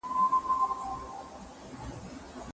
د لامبو ګټه یوازې د زړه نه، بلکې د حافظې لپاره هم ده.